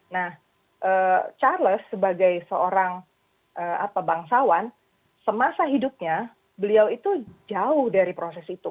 nah charles sebagai seorang bangsawan semasa hidupnya beliau itu jauh dari proses itu